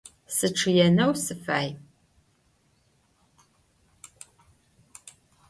Sıççıêneu sıfay.